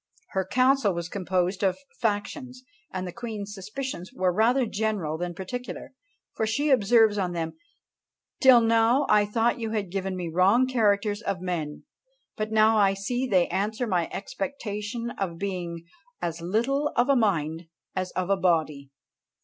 Her council was composed of factions, and the queen's suspicions were rather general than particular: for she observes on them, "Till now I thought you had given me wrong characters of men; but now I see they answer my expectation of being as little of a mind as of a body."